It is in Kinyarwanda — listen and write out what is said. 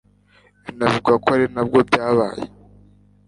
Binavugwa ko ari nabwo byabaye